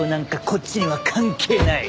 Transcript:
こっちには関係ない。